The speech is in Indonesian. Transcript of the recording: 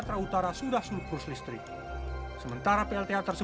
tekrar kembali di